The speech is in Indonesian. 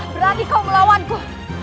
berani kau melawanku